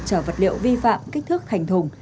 chở vật liệu vi phạm kích thước thành thùng